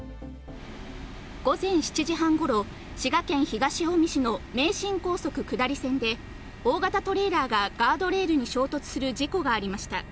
午前７時半頃、滋賀県東近江市の名神高速・下り線で大型トレーラーがガードレールに衝突する事故がありました。